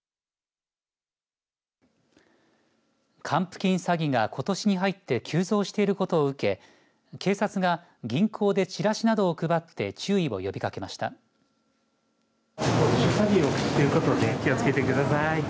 還付金詐欺がことしに入って急増していることを受け、警察が銀行でチラシなどを配って注意を呼びかけました。